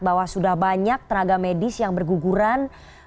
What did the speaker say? bahwa sudah banyak tenaga medis yang berguguran